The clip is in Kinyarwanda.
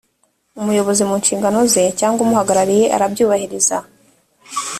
umuyobozi mu nshingano ze cyangwa umuhagarariye arabyubahiriza